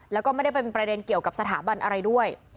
แล้วก็ไม่ได้เป็นประเด็นเกี่ยวกับสถาบันอะไรด้วย